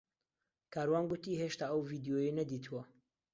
کاروان گوتی هێشتا ئەو ڤیدیۆیەی نەدیتووە.